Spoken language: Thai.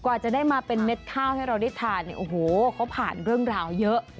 กว่าจะได้มาเป็นเม็ดข้าวให้เราได้ทานเนี่ยโอ้โหเขาผ่านเรื่องราวเยอะ